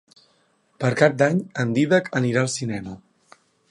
Per Cap d'Any en Dídac anirà al cinema.